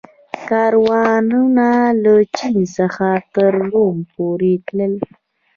کاروانونه له چین څخه تر روم پورې تلل